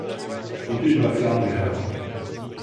Soutěž dvakrát vyhrál.